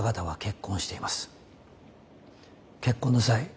結婚の際